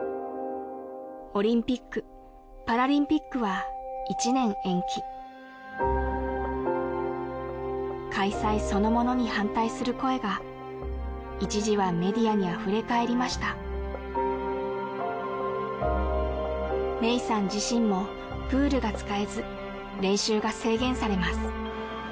オリンピックパラリンピックは１年延期開催そのものに反対する声が一時はメディアにあふれかえりましたメイさん自身もプールが使えず練習が制限されます